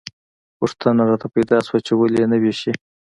پوښتنه راته پیدا شوه چې ولې یې نه ویشي.